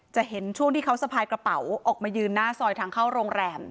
จะเห็นช่วงที่เขาสะพายกระเป๋าออกมายืนหน้าซอยทางเข้าโรงแรม